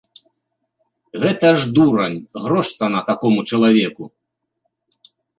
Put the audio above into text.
Гэта ж дурань, грош цана такому чалавеку.